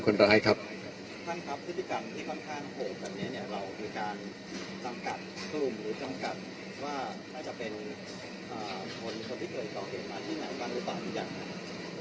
หรือจำกัดว่าถ้าจะเป็นคนที่เคยต่อเห็นมาที่ไหนบ้างหรือเปล่าอย่างไร